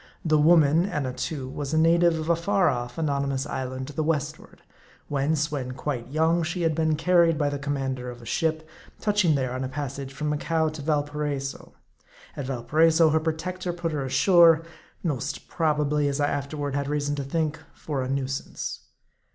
The woman, Annatoo, was a native of a far off, anony mous island to the westward : whence, when quite young, she had been carried by the commander of a ship, touching there on a passage from Macao to Valparaiso. At Valpa raiso her protector put her ashore ; most probably, as I after ward had reason to think, for a nuisance.